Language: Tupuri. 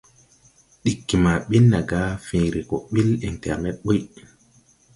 Ɗiggi ma ɓin na gá fẽẽre gɔ ɓil ɛŋtɛrned ɓuy.